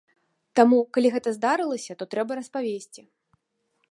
Таму, калі гэта здарылася, то трэба распавесці.